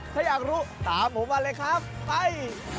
ถ้าอยากรู้ตามผมมาเลยครับไป